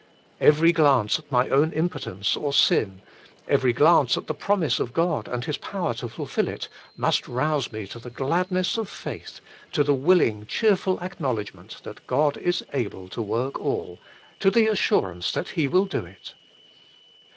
Every glance at my own impotence or sin, every glance at the promise of God and His power to fulfil it, must rouse me to the gladness of faith, to the willing, cheerful acknowledgment that God is able to work all, to* the assurance that He will do it.